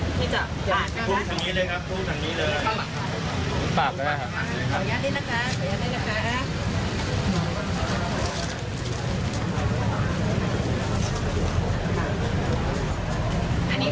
ที่เขาจะให้ทางฝั่งเจ๊เกียว